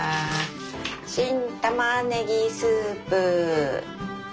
新玉ねぎスープ。